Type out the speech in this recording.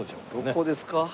どこですか？